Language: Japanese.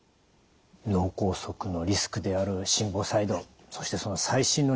脳梗塞のリスクである心房細動そしてその最新の治療法